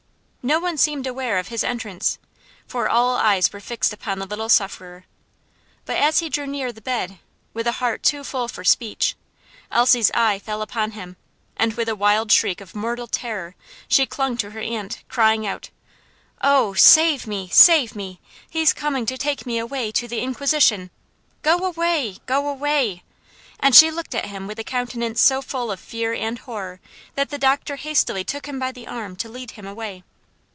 No one seemed aware of his entrance, for all eyes were fixed upon the little sufferer. But as he drew near the bed, with a heart too full for speech, Elsie's eye fell upon him, and with a wild shriek of mortal terror, she clung to her aunt, crying out, "Oh, save me! save me! he's coming to take me away to the Inquisition! Go away! go away!" and she looked at him with a countenance so full of fear and horror, that the doctor hastily took him by the arm to lead him away.